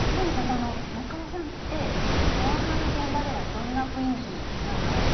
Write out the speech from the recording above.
その中尾さんってドラマの現場ではどんな雰囲気なんですか？